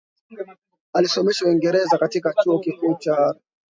Alisomeshwa Uingereza katika Chuo Kikuu cha Harrow